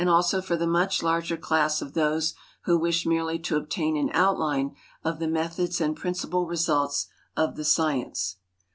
<o for the much larger class of those who wish merely to obtain an outline of the methods and principal results of the science."